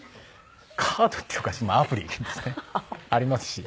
カードっていうかアプリですねありますし。